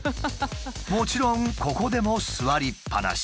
もちろんここでも座りっぱなし。